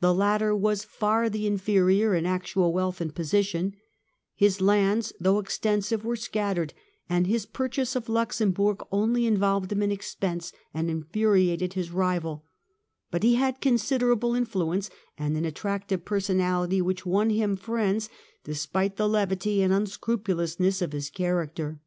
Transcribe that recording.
The latter was far the inferior in actual wealth and position ; his lands though extensive were scattered, and his purchase of Luxemburg only involved him in expense and infuriated his rival ; but he had con siderable influence and an attractive personality which won him friends, despite the levity and unscrupulousness of his character.